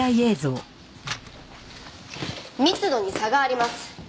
密度に差があります。